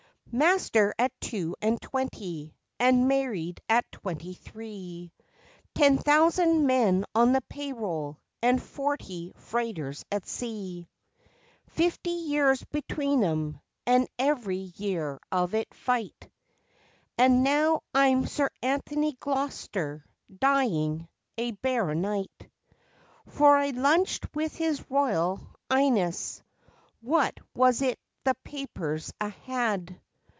Master at two and twenty, and married at twenty three Ten thousand men on the pay roll, and forty freighters at sea! Fifty years between 'em, and every year of it fight, And now I'm Sir Anthony Gloster, dying, a baronite: For I lunched with His Royal 'Ighness what was it the papers a had?